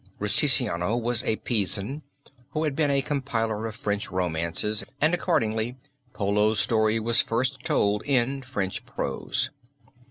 Rusticiano was a Pisan who had been a compiler of French romances and accordingly Polo's story was first told in French prose.